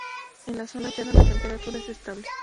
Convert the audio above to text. En la zona llana la temperatura es estable.